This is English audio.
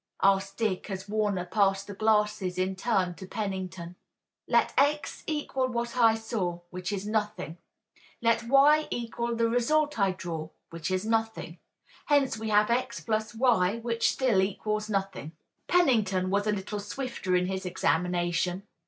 asked Dick as Warner passed the glasses in turn to Pennington. "Let x equal what I saw, which is nothing. Let y equal the result I draw, which is nothing. Hence we have x + y which still equals nothing." Pennington was swifter in his examination.